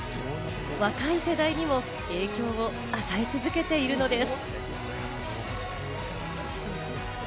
若い世代にも影響を与え続けているのです。